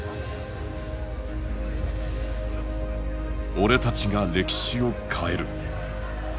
俺たちが歴史を変える。